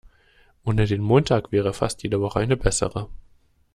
Ohne den Montag wäre fast jede Woche eine bessere.